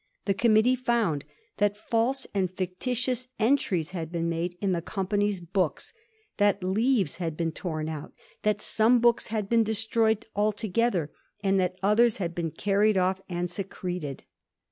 The committee found that false and fictitious entries had been made in the company's books ; that leaves had been torn out ; that some books had been destroyed altogether, and that others had been carried off and secreted.